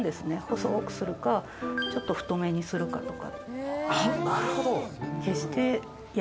細くするか、ちょっと太めにするかとか。